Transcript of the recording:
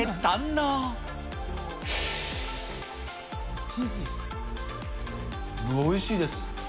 うわ、おいしいです。